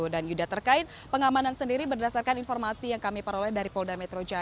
dan yuda terkait pengamanan sendiri berdasarkan informasi yang kami peroleh dari polda metro